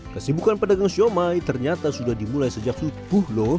kesibukan pedagang shumai ternyata sudah dimulai sejak suku